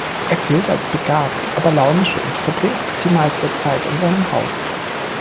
Er gilt als begabt, aber launisch und verbringt die meiste Zeit in seinem Haus.